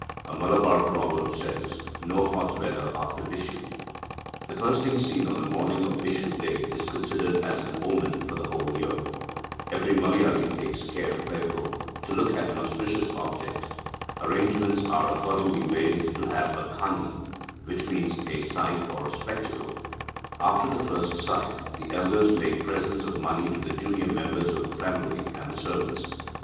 A Malabar proverb says 'No hot weather after Vishu.' The first thing seen on the morning of Vishu day is considered as an omen for the whole year. Every Malayali takes care, therefore, to look at an auspicious object. Arrangements are accordingly made to have a kani, which means a sight or spectacle (see p. 18). After the first sight, the elders make presents of money to the junior members of the family and the servants.